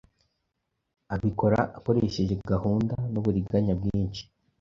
Abikora akoresheje gahunda n’uburiganya bwinshi